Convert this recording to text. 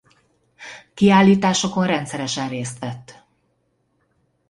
Kiállításokon rendszeresen részt vett.